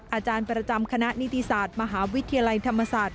อาจารย์ประจำคณะนิติศาสตร์มหาวิทยาลัยธรรมศาสตร์